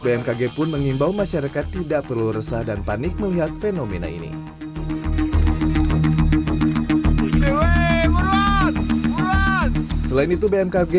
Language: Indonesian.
bmkg pun mengimbau masyarakat tidak perlu resah dan panik melihat fenomena ini selain itu bmkg